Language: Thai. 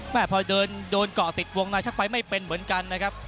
พอเดินเกาะติดวงในชักไปไม่เป็นเหมือนกันนะครับ